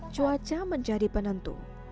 cuaca menjadi penentu